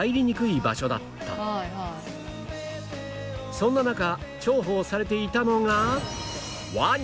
そんな中重宝されていたのが